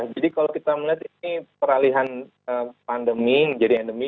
jadi kalau kita melihat ini peralihan pandemi menjadi endemi